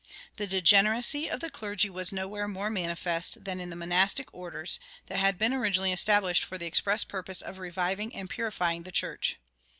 The degeneracy of the clergy was nowhere more manifest than in the monastic orders, that had been originally established for the express purpose of reviving and purifying the church.